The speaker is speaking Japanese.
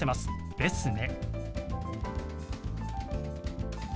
「ですね」。